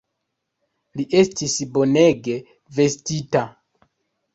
Li estis bonege vestita!